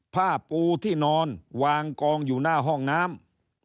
ผ้าปูที่นอนวางกองอยู่หน้าห้องน้ำ